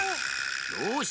よし！